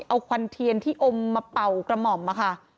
เอาควันเทียนที่อมมาเป่ากระหม่อมมาค่ะ